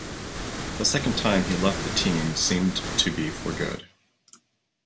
The second time he left the team seemed to be for good.